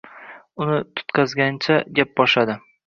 Uni tutqazgancha gap boshladi